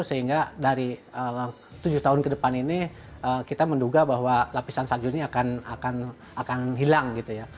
sehingga dari tujuh tahun ke depan ini kita menduga bahwa lapisan salju ini akan hilang gitu ya